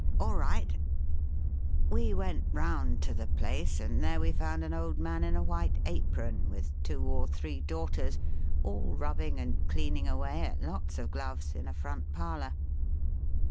' All right !' We went round to the place, and there we found an old man in a white apron, with two or three daughters, all rubbing and cleaning away at lots of gloves, in a front parlour.